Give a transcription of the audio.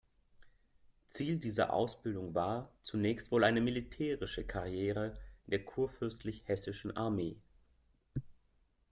Ziel dieser Ausbildung war zunächst wohl eine militärische Karriere in der Kurfürstlich Hessischen Armee.